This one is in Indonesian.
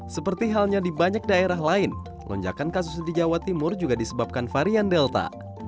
seperti halnya di banyak daerah lain lonjakan kasus di jawa timur juga disebabkan varian delta